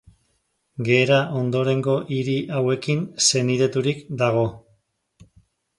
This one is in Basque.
Gera ondorengo hiri hauekin senideturik dago.